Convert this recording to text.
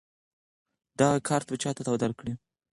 دغه کارت چا تاته درکړ؟